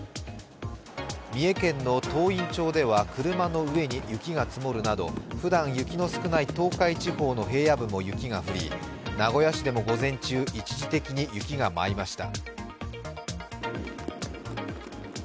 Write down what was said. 三重県の東員町では車の上に雪が積もるなどふだん雪の少ない東海地方の平野部でも雪が降り名古屋市でも午前中、一時的に雪が舞いました。